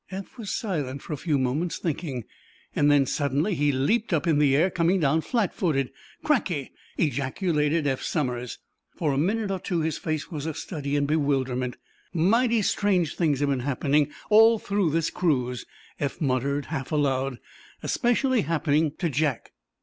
Eph was silent for a few moments, thinking. Then, suddenly, he leaped up in the air, coming down flat footed. "Crackey!" ejaculated Eph Somers. For a moment or two his face was a study in bewilderment. "Mighty strange things have been happening all through this cruise," Eph muttered, half aloud. "Especially happening to Jack!